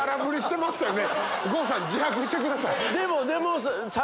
郷さん自白してください。